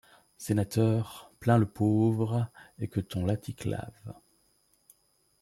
Sénateur, plains le pauvre, et que ton laticlave